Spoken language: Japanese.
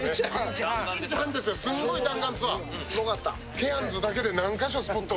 ケアンズだけで何か所スポット。